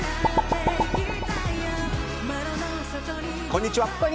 こんにちは。